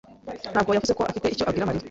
Ntabwo yavuze ko afite icyo abwira Mariya?